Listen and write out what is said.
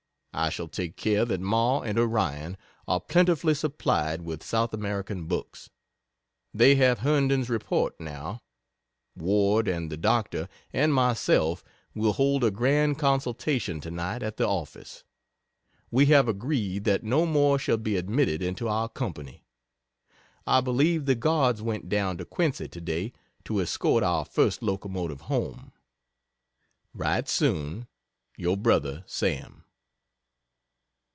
I shall take care that Ma and Orion are plentifully supplied with South American books. They have Herndon's Report now. Ward and the Dr. and myself will hold a grand consultation tonight at the office. We have agreed that no more shall be admitted into our company. I believe the Guards went down to Quincy today to escort our first locomotive home. Write soon. Your Brother, SAM.